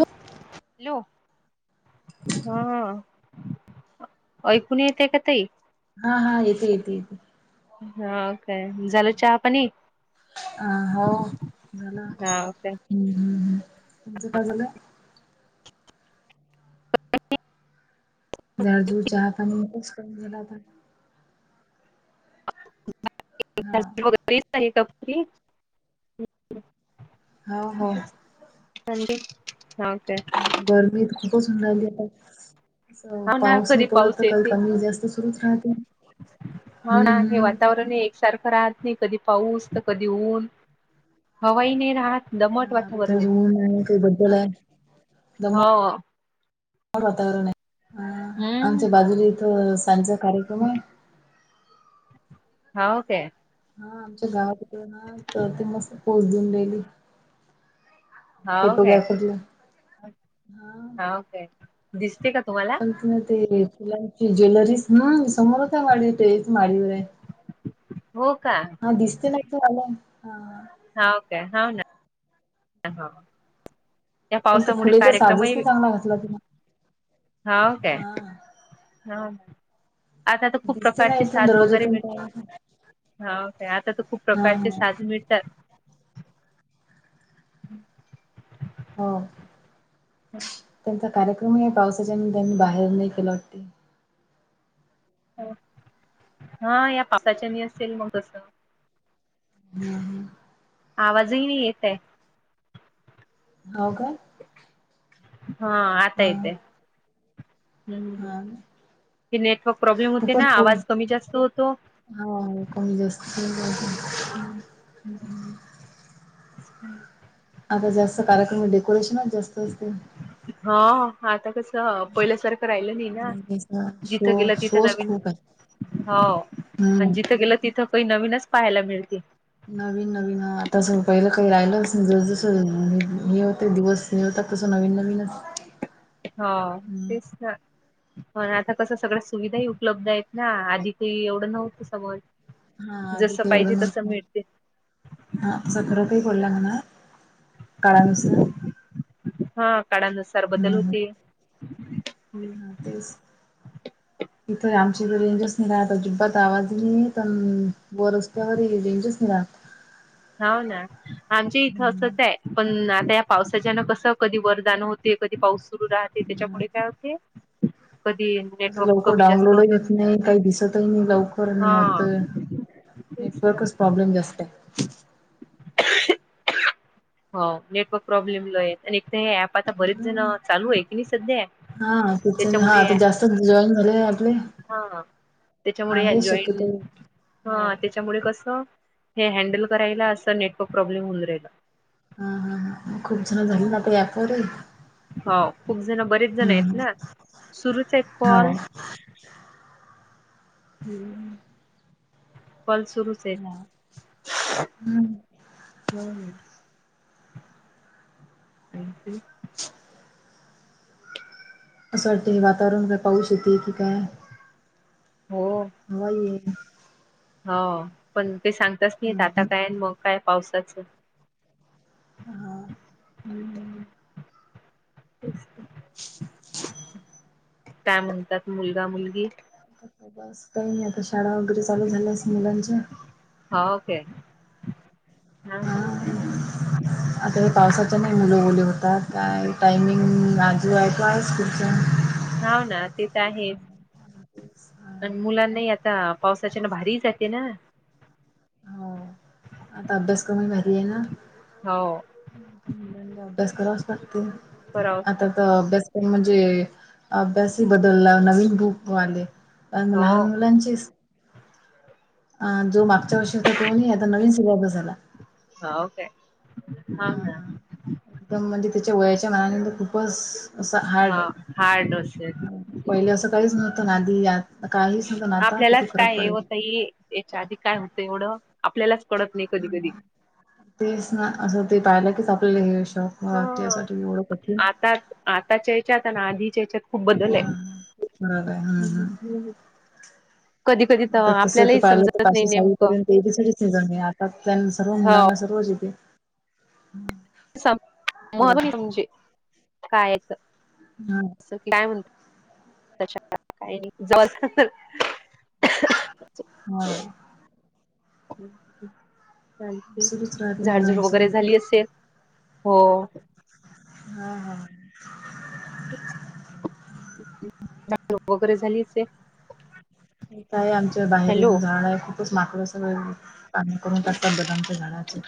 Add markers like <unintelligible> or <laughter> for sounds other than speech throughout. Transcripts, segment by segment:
Hello. हा ऐकून नाही येत आहे का ताई? ते. हा काय झाला चहा पाणी? अ हो झाला. हा काय हम्म हम् ह् तुमचं काय झालंय? झाड झुड <inaudible> चहापाणी ग हा कप <inaudible> हो हो <unintelligible> अंडी. गरमी खूपच होऊन राहिली आता. असं हो ना पाऊस कधी नाही पडत तर काल येते कमी होजे <inaudible> जास्त सुरूच राहते. हो हम्म ना हे हम्म वातावरण एकसारखं राहत. नाही कधी पाऊस तर कधी ऊन हवाही नाही राहत. दमट हाथ वातावरण आहे रऊ नाय काही बदल आहे दमा. हो आ वातावरण आहे हम्म आमच्या बाजूला इथ सज. कार्यक्रम आहे हाऊ काय. हा आमच्या गावात क ना तर ते मस्त पोच देऊन राहिली. हो काय. फोटोग्राफरला हो काय दिसते का? तुम्हाला क ना ते फुलांची ज्वेलरी ना समोर काय ते मावर रे. हो का हा दिसत नाही तर आला. आ हो काय हो ना. ह हा. या पण तो पावसामुळे फुलेचा साजच कार्यक्रमही नाही चांगला घातला तिन. होऊ काय. हा हा आता तर खूप दिसते ना प्रकारची इथून साज वगैरे दरवाज्यातून मिळत? काय हा काय आता तर खूप हा प्रकारचे हा साधन मिळतात. हम्म. हो त्यांच. कार्यक्रम पावसाच्यान त्यांनी बाहेर नाही केला वाटते. हा या पासाच्या मी असेल मग तस. हम हम आवाजही नाही येते. हो का. हा आता हा येतोय. हम्म हा ते नेटवर्क प्रॉब्लेम होते खूपच ना फुल आवाज कमी जास्त होतो. हो कमी जास्त हम्म हम्म <inaudible> आता जास्त कार्यक्रम डेकोरेशनच जास्त असते. हा आता कसं पहिल्यासारखं राहिलं नाही ना आणि शो जिथं गेलं तिथं शोज नवीन. खूप आहे हो आणि हम्म. जिथं गेलं तिथं काही नवीनच पाहायला मिळते. नवीन नवीन आता स पहिलं काही राहिलच नाही जस जस. हे होते दिवस नि होताात तसं नवीन नवीनच. हा हम्म. तेच ना. आता कसं सगळ्या सुविधाही उपलब्ध आहेत ना आधी ते एवढं नव्हतं समोर. हा अ एवढं न सखर रुपय पडला अंगन कळंगस <unintelligible> हा काळानुसार बदल होते. इथं आम रेंज स नाही राह अजिबात आवाजही त वो रस्त्यावर रेंज नाही राहत. हो ना आमच्या इथं असचं आहे पण. आ या पावसाच्यानं कसं कधी वरदान होते. कधी पाऊस सुरू राहते त्याच्यामुळे काय होते. कधी आता नेटवर्क लवकर कमी जास्त डाउनलोड होते होत नाही काही दिसतही नाही लवकर नाही हा होतयं तेच ना नेटवर्कचं प्रॉब्लेम जास्त आहे. <unintelligible> हो नेटवर्क प्रॉब्लेम आहे आणि हे अँप आता बरेच जण हम्म. चालू आहे की सध्या हा किचन हा त्याच्यामुळे तर जास्त जॉईन झाले. आपले. हा त्याच्यामुळे आहे शक्यतो जॉईंट हो हा त्याच्यामुळे कसं. हे हँडल करायला असं नेटवर्क प्रॉब्लेम होऊन राहिल. हा हा ह मग खूप जण झाली ना आता या अँप मध्ये हो खूप जण बरेच जण आहेत ना सुरूचं आहेत हो कॉल हम्म, कॉल सुरूचं हा आहेत हम्म हम् हज <inaudible> <unintelligible> असं वाटते वातावरण काय पाऊस येत की काय हो हई येईल. हो पण ते सांगताच नाही आता हम्म काय मग काय पावसाचं. हा, ह् ते <inaudible> काय म्हणतात मुलगा मुलगी बस काही नाही आता शाळा वगैरे चालू झाल्यास मुलांच्या हो काय हा हा <inaudible> आता हे पावसाच्या नाही मुलें ओल्या होतात का टायमिंग गोट वायज खूच्यां <inaudible> ह ना तेथं आहे. आणि मुलांना आता पावसाच्या ना बाहेर जाते ना. हो आता अभ्यासक्रम ही भारी आहे न. हो अभ्यास करावाचं लागते करावच आता लागत तर अभ्यास तर म्हणजे अभ्यासही बदलला नवीन बुक आले. पण हो लहान मुलांची अ जो मागच्या वर्षी होता तो नाही आता नवीन सिल्याबस आला. हाव ना. एकदम म्हणजे त्याच्या वयाच्या मानाने खूपचं असं हार्ड हा आहे हार्ड असेल पहिले असं काहीच नव्हतं ना आधी यात काहीच नव्हतं ना आता किती आपल्यालाच फरक काय हे पडला. होत. याच्या आधी काय होतं एवढं आपल्यालाचं तेच ना असं ते पाहिलं किचं आपल्याला हे शॉक हा त्यासाठी एवढं कठीण आता आताच्या याच्यात आणि आधीच्या याच्यात. खूप बदल आहे फरक आहे हम्म कधी कधी आ तर तसं तू आपल्यालाही पाहिलं तर समजत नाही काशी नेमकं साडीपर्यंत सच निझन आहे आता त्यां सर्व हो मुलांना सर्वच येते. फरक. म्हजे कायच <inaudible> हा असं काय म्हणतं त्याच्या काही नाही जर तर हा सुरूच राहते झाडझूड मुलांचं. वगैरे झाली असेल? हो हा हा झाडझूड वगैरे झाली असेल? हे, काय आमच्या बाहेर हॅलो झाडं आहे, खूपच माकड असतात पाणी करून टाकतात बदामच्या झाडाचे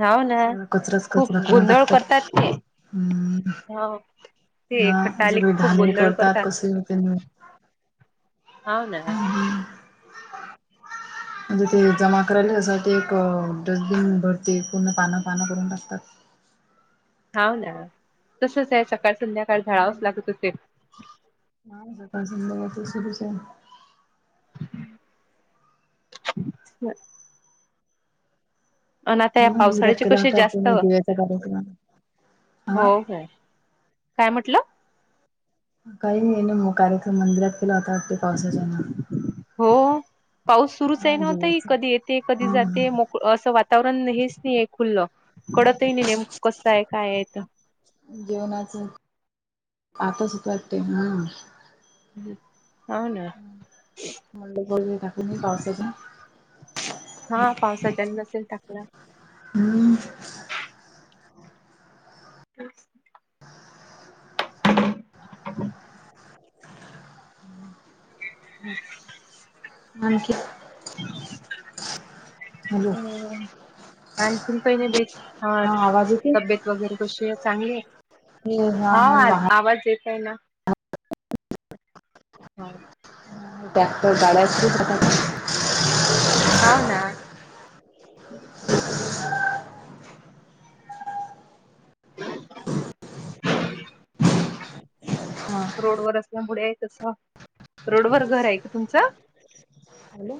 हाव ना सगळा कचराच कचरा खूप करून गोंधळ टाकतात, करतात ते हम्म.. हो ते ह, एकट्टा असं आले की काही खूप घान ही गोंधळ करतात कस त्यां हाव ना <inaudible> म्हणजे ते जमा करायला त्यासाठी एक डस्टबिन भरती पूर्ण पानं पानं करून टाकतात हा ना तसच आहे सकाळ संध्याकाळ झाडावच लागतते नाही सकाळ संध्याकाळ ते सुरूच आहे <inaudible> आणि आता या मंदिरात पावसाळ्याचे केला कशी होता जास्त दिव्याचा कार्यक्रम. हा हो काय? काय म्हटलं? काय मेनू मग कार्यक्रम मंदरात? टी पावसाच आहे ना? हो पाऊस सुरूच ए ना ओ ताई, जेवायच कधी येते कधी हा जाते मोक असं वातावरणच हेच नाहीय खुललं. हा कळत आहे नाही नेमकं कस आहे काय आहेत? जेवणाच आता सुतते वाटते ना? हो ना मले बोलले काकून पावसाच्या हा पावसाच्यान नसेल टाकला. हम्म <inaudible> <inaudible> <inaudible> आणखी हॅलो हो आणखीन काही नाही बाई, हा आवाज येते तब्यात वगैरे कशी आहे? चांगली ए, हा हा आवाज येतो काय ना हा ट्रक्टर काढायचं सुतारला?? हा ना <unintelligible> ह <unintelligible> हा रोडवर असल्यामुळे तस, रोडवर घर हे का तुमचं? हॅलो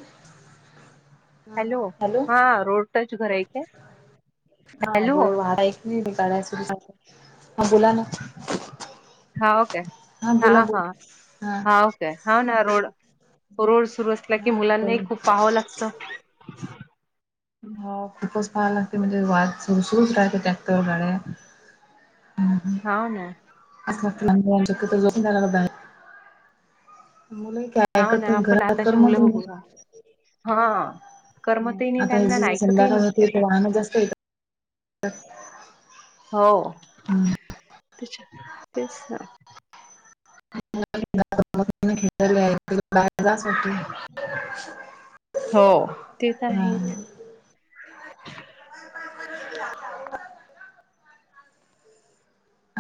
हॅलो, हा रोड टच घर ए इथे हा गो वारा ऐकली काय सु हा, बोलाना. हा ओके, हा हा, हा ओके, हा ना रोड रोड सुरू असला की हा मुलांनाही खूप पाहावं लागत. हा खूपच पाहायला लागते म्हणजे वाद सुरू सरूच राहते ट्रॅक्टर गाड्या हाव ना. असे <unintelligible> मुलं काय हाव ना ऐकत नाय आपण घरात आताची करमत मुलं ही बघू नाय. हा. करमतही नाही त्यांना, ऐकतही संध्याकाळ नाही ते होते आता. वाहनं जास्त हो, येतात त्याच्या, तेच ना. <unintelligible> हो, तेच हा आहेत. <unintelligible>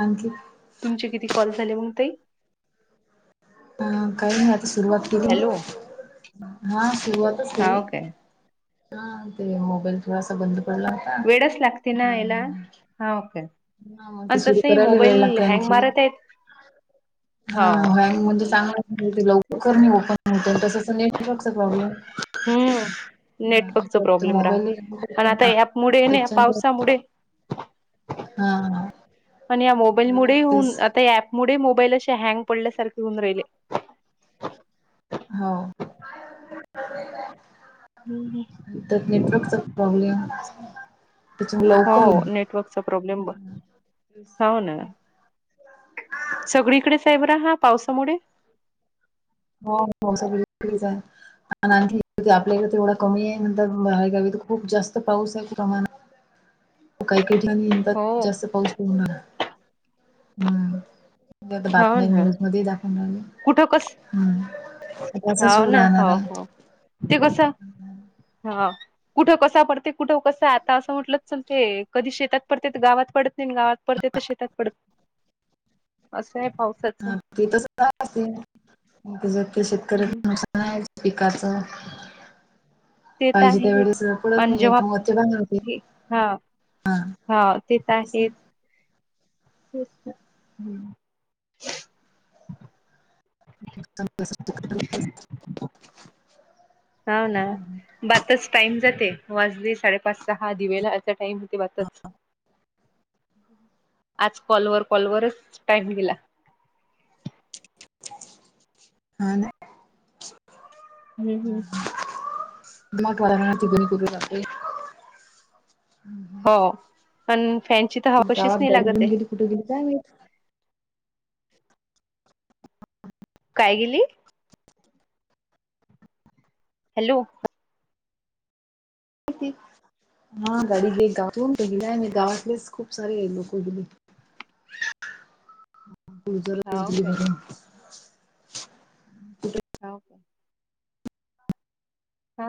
आणखीनं. तुमचे किती कॉल झाले मग ते. हा काय नाही आता सुरुवात केली हॅलो मी, हा. सुरुवातच केली, हाव काय हा ते मोबाईल थोडासा बंद पडला होता, वेळच लागते हा ना याला हा. हाव काय हा ते आणि सुरू तसही करायला वेळ मोबाईल लागतोय हँग आणखीन, मारत आहेत हा हाव म्हणजेच ते तेच लवकर ना नाही ओपन होत, तसच नेटवर्कचा प्रॉब्लेम. हम्म नेटवर्कचा हा ते प्रॉब्लेम मोबाईल राहत एक पण आता ह्यामुळे ना त्याच्यान. <unintelligible> <unintelligible> पावसामुळे हा, हा. आणि या मोबाईल हवे मुळे होऊन, लागतेच आता या अँप मुळे मोबाईल अशे हँग पडल्यासारखे होऊन राहिले. हो <unintelligible> नेटवर्कचा प्रॉब्लेम. त्याच लवकर होइन. हो नेटवर्कचा प्रॉब्लेम हो ना सगळीकडे आहेच बरा हा पावसामुळे. हो, हो सगळीकडेच हाय. आणि आणखी आपल्याकडे ते एवढं कमी आहे नंतर बाहेर गावी खूप जास्त पाऊस प्रमाण हाय काही काही ठिकाणी हो येतात जास्त पाऊस पडणार. हम्म, तर हो बातम्या ना न्यूज मध्ये दाख कुठं कस? त्याचा हाव सूर ना राहणार हो, आहे हो, ते कस? हा. कुठं कसा पडते, कुठं कसा आता कसं आता म्हटलं चलते. कधी शेतात पडते तर गावात पडत नाही आणि गावात पडते तर शेतात पडत असं आहे पावसाच. ज शेतकऱ्याच नुकसान आहे पिकाचं. ते तर पाहिजे त्या आहे वेळेस पडत आणि नाही जेव्हा मग वच्या बाहेर होते, हा हा. हा ते तर आहेच. हम <unintelligible> <unintelligible> हो ना, बताच टाइम जाते वाजले साडेपाच - सहा दिव लावायचा टाइम. ते वाचत. आज कॉलवर कॉलवररच टाइम दिला. <inaudible> हा ना. हम्म, हम्म. <unintelligible> हो. पण फॅनची तर हवा एकदा कशीच नाही गाडी लागत घऊन आहे गेली कुठे गेली काय माहित? काय गेली? हॅलो. <unintelligible> हा गाडी घे गावातून गेला आहे, मगं गावातलेच खूप सारे लोक गेली. <inaudible> हाव गुजरागली काय? भरून. हो का? हा,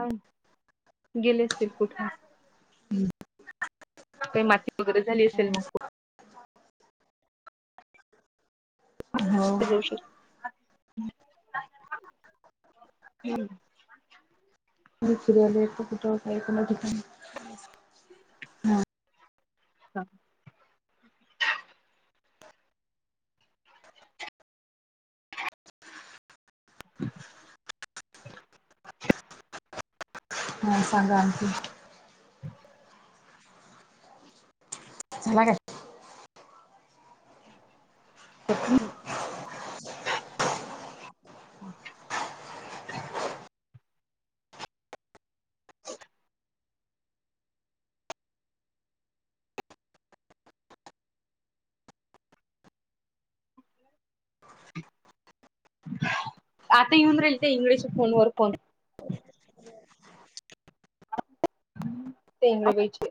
गेले असतील कुठं. हम्म. काही माती वगैरे झाली असेल मग हो <unintelligible> हम्म. <unintelligible> काही, काही ठिकाणी हा. हा. <inaudible> हा सांगा आणखीन झाला काय? <unintelligible> आता येऊन राहिले ते इंगळेच्या फोन वर फोन. तेंगवेचे